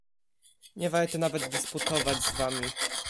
"Nie warto nawet dysputować z wami."